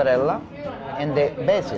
dia harus menghormati margherita